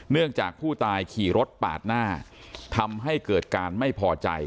จากผู้ตายขี่รถปาดหน้าทำให้เกิดการไม่พอใจ